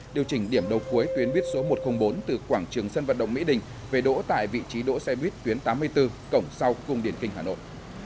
điều chỉnh điểm đầu cuối tuyến buýt số một trăm linh bốn từ quảng trường sân vận động mỹ đình về đỗ tại vị trí đỗ xe buýt tuyến tám mươi bốn cổng sau cung điển kinh hà nội